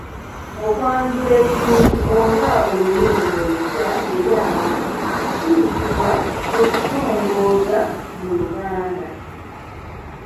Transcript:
Okwanjula ekintu oba oluyimba olupya eri abantu kiyitibwa okutongoza mu luganda.